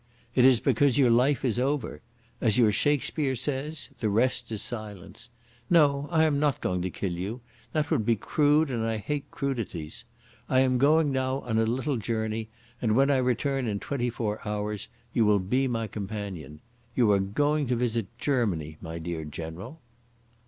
It is because your life is over. As your Shakespeare says, the rest is silence.... No, I am not going to kill you. That would be crude, and I hate crudities. I am going now on a little journey, and when I return in twenty four hours' time you will be my companion. You are going to visit Germany, my dear General."